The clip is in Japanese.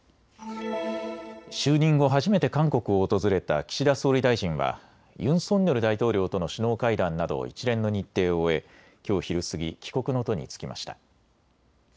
就任後、初めて韓国を訪れた岸田総理大臣はユン・ソンニョル大統領との首脳会談など一連の日程を終えきょう昼過ぎ帰国の途に就きました。